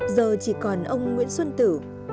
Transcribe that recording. giờ chỉ còn ông nguyễn xuân tử